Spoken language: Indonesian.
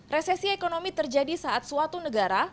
resesi ekonomi terjadi saat suatu negara